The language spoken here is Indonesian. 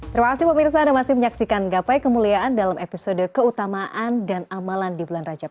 terima kasih pemirsa anda masih menyaksikan gapai kemuliaan dalam episode keutamaan dan amalan di bulan rajab